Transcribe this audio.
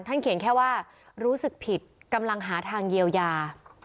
เขียนแค่ว่ารู้สึกผิดกำลังหาทางเยียวยา